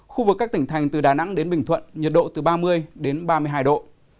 khu vực các tỉnh thành từ đà nẵng đến bình thuận nhiệt độ từ ba mươi đến ba mươi hai độ